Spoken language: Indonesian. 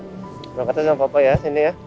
jangan kata jangan papa ya sini ya